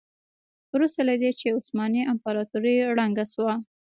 وروسته له دې چې عثماني امپراتوري ړنګه شوه.